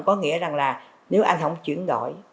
có nghĩa rằng là nếu anh không chuyển đổi